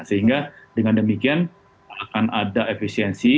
sehingga dengan demikian akan ada efisiensi